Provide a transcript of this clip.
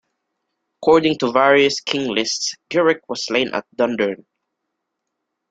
According to various king-lists, Giric was slain at Dundurn.